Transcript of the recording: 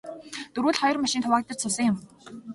Дөрвүүл хоёр машинд хуваагдаж суусан юм.